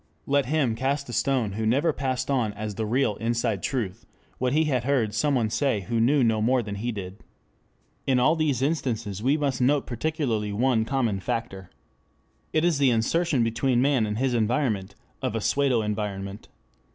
Let him cast a stone who never passed on as the real inside truth what he had heard someone say who knew no more than he did. In all these instances we must note particularly one common factor. It is the insertion between man and his environment of a pseudo environment.